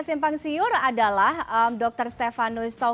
sekarang ini dia dikontrol